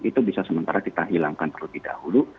itu bisa sementara kita hilangkan terlebih dahulu